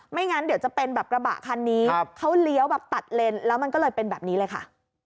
งั้นเดี๋ยวจะเป็นแบบกระบะคันนี้เขาเลี้ยวแบบตัดเลนแล้วมันก็เลยเป็นแบบนี้เลยค่ะ